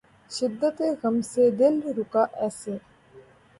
شدتِ غم سے دل رکا ایسے